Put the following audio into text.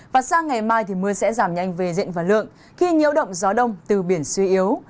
và sang ngày mai thì mưa sẽ giảm nhanh về diện và lượng khi nhiễu động gió đông từ biển suy yếu